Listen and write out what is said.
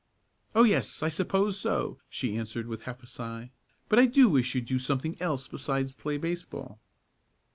"Oh, yes; I suppose so," she answered, with half a sigh. "But I do wish you'd do something else besides play baseball."